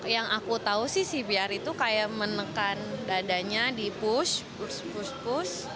yang aku tahu sih cpr itu kayak menekan dadanya di push push push push